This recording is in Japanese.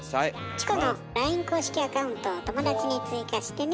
チコのＬＩＮＥ公式アカウントを「友だち」に追加してね。